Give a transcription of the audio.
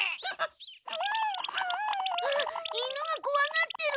あっ犬がこわがってる。